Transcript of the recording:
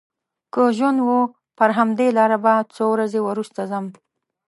که ژوند و پر همدې لاره به څو ورځې وروسته ځم.